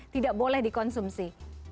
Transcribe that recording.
tidak boleh dikonsumsi